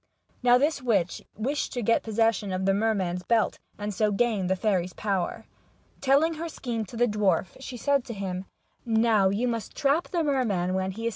Now this witch wished to get possession of the merman's belt, and so gain the fairy's power. Telling her scheme to the dwarf, she said to him :" Now you must trap the merman when he is.